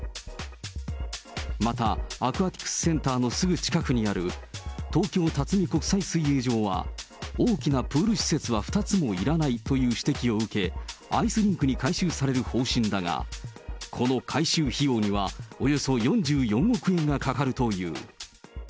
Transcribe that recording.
また、アクアティクスセンターのすぐ近くにある東京辰巳国際水泳場は大きなプール施設は２つもいらないという指摘を受け、アイスリンクに改修される方針だが、この改修費用にはおよそ４４億円がかかるという。